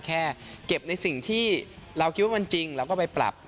แค่เก็บในสิ่งที่เราคิดว่ามันจริงเราก็ไปปรับ